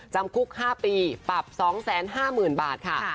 จำคุก๕ปีปรับ๒๕๐๐๐บาทค่ะ